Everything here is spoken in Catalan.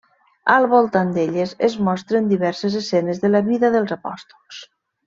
Al voltant d'elles es mostren diverses escenes de la vida dels apòstols.